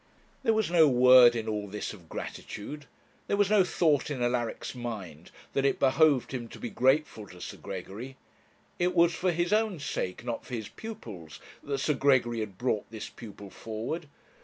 There was no word in all this of gratitude; there was no thought in Alaric's mind that it behoved him to be grateful to Sir Gregory. It was for his own sake, not for his pupil's, that Sir Gregory had brought this pupil forward.